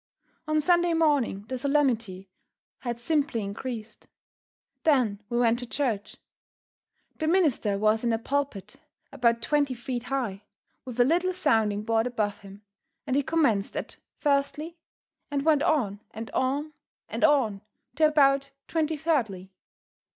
On Sunday morning the solemnity had simply increased. Then we went to church. The minister was in a pulpit about twenty feet high, with a little sounding board above him, and he commenced at "firstly" and went on and on and on to about "twenty thirdly."